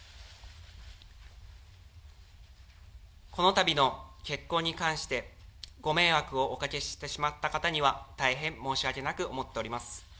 このたびの結婚に関して、ご迷惑をおかけしてしまった方には、大変申し訳なく思っております。